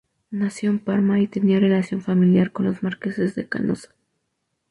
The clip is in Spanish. Nació en Parma y tenía relación familiar con los Marqueses de Canossa.